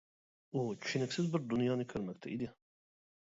ئۇ چۈشىنىكسىز بىر دۇنيانى كۆرمەكتە ئىدى.